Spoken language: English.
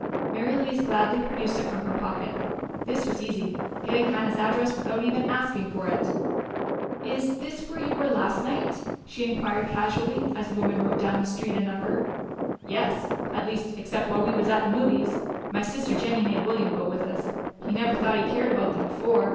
Mary Louise gladly produced it from her pocket: this was easy getting Hannah's address without even asking for it. "Is this where you were last night?" she inquired casually, as the woman wrote down the street and number. "Yes. At least, except while we was at the movies. My sister Jennie made William go with us he never thought he cared about them before.